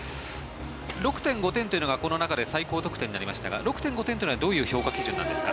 ６．５点というのがこの中で最高得点になりましたが６．５点はどういう評価基準ですか。